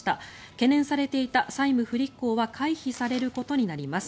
懸念されていた債務不履行は回避されることになります。